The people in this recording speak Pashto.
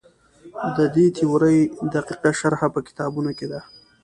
د دې تیورۍ دقیقه شرحه په کتابونو کې ده.